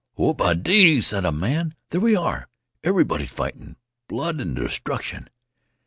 "Whoop a dadee," said a man, "here we are! Everybody fightin'. Blood an' destruction."